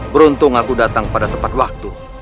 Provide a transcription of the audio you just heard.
beruntung aku datang pada tepat waktu